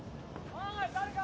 おい誰か！